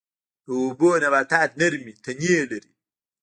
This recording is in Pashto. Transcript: د اوبو نباتات نرمې تنې لري